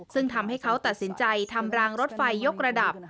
ซึ่งทำให้เขาตัดสินใจทำรางรถไฟยกระดับ